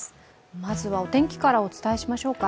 まずはお天気からお伝えしましょうか。